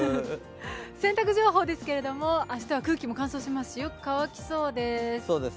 洗濯情報ですけれども明日は空気も乾燥しますしよく乾きそうです。